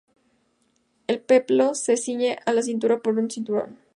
El peplo se ciñe a la cintura por un cinturón.